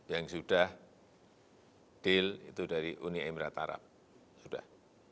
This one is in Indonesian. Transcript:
yang sudah deal itu dari uni emirat arab sudah